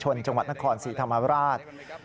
จังหวัดนครศรีธรรมราช